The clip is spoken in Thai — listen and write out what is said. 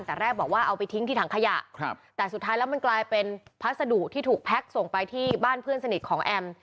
แต่แรกบอกว่าเอาไปทิ้งที่ถังขยะครับแต่สุดท้ายแล้วมันกลายเป็นพัสดุที่ถูกแพ็คส่งไปที่บ้านเพื่อนสนิทของแอม